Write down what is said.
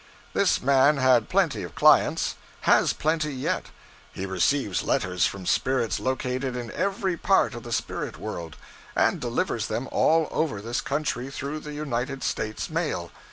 This man had plenty of clients has plenty yet. He receives letters from spirits located in every part of the spirit world, and delivers them all over this country through the United States mail.